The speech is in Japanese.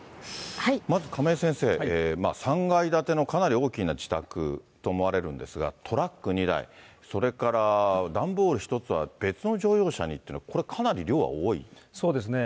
まず亀井先生、３階建てのかなり大きな自宅と思われるんですが、トラック２台、それから、段ボール１つは別の乗用車にっていうのは、これ、かなり量は多いそうですね。